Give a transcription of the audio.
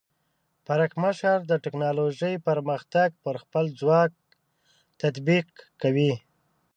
پرکمشر د ټیکنالوجۍ پرمختګ پر خپل ځواک تطبیق کوي.